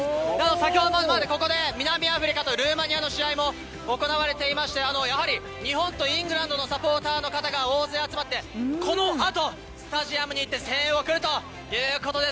先ほどまで、ここで南アフリカとルーマニアの試合も行われていまして、やはり日本とイングランドのサポーターの方が大勢集まって、このあとスタジアムに行って、声援を送るということです。